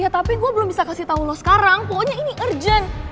tapi gue belum bisa kasih tau lo sekarang pokoknya ini urgent